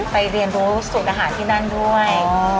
เรียนรู้สูตรอาหารที่นั่นด้วย